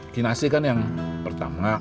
ki nasi kan yang pertama